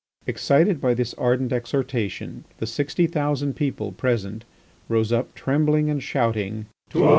Excited by this ardent exhortation, the sixty thousand people present rose up trembling and shouting: "To arms!